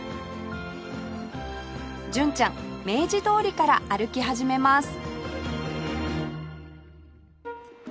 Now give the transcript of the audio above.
純ちゃん明治通りから歩き始めます